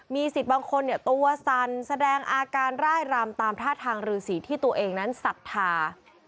มีสิทธิ์บางคนตัวสั่นแสดงอาการร่ายรำตามท่าทางรือสีที่ตัวเองนั้นศรัทธา